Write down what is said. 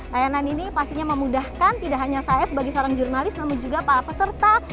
layanan ini pastinya memudahkan tidak hanya saya sebagai seorang jurnalis namun juga para peserta